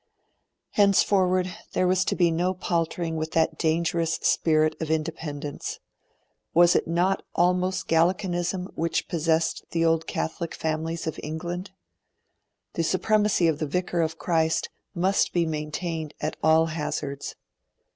Henceforward, there was to be no paltering with that dangerous spirit of independence was it not almost Gallicanism which possessed the Old Catholic families of England? The supremacy of the Vicar of Christ must be maintained at all hazards.